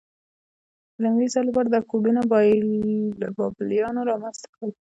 د لومړي ځل لپاره دا کوډونه بابلیانو رامنځته کړل.